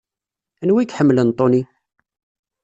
Anwa ay iḥemmlen Tony?